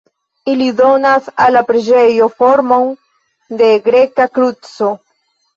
Ili donas al la preĝejo formon de greka kruco.